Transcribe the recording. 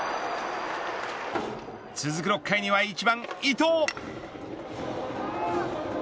続く６回には１番伊藤。